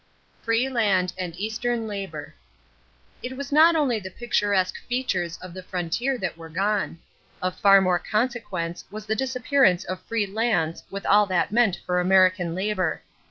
=Free Land and Eastern Labor.= It was not only the picturesque features of the frontier that were gone. Of far more consequence was the disappearance of free lands with all that meant for American labor.